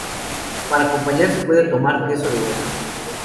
Para acompañar se puede tomar queso de oveja.